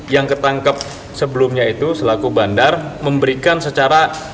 yang ketangkep sebelumnya itu selaku bandar memberikan secara